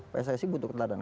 pssi butuh keteladanan